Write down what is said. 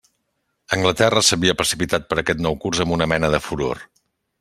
Anglaterra s'havia precipitat per aquest nou curs amb una mena de furor.